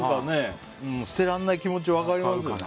捨てられない気持ち分かりますよね。